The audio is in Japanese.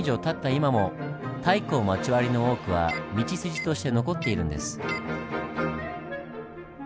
今も太閤町割の多くは道筋として残っているんです。